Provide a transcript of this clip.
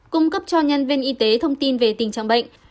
cung cấp cho nhân viên y tế thông tin về tình trạng bệnh